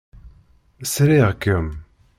Sriɣ-kem.